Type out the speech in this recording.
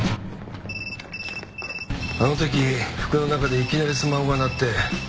あの時服の中でいきなりスマホが鳴って。